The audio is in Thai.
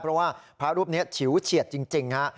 เพราะว่าพระรูปนี้ฉิวเฉียดจริงฮะ